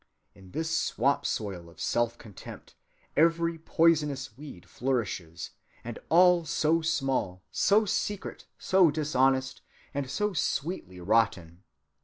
In this swamp‐soil of self‐contempt, every poisonous weed flourishes, and all so small, so secret, so dishonest, and so sweetly rotten.